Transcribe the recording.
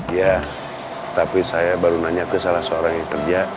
ya tapi saya baru nanya ke salah seorang yang kerja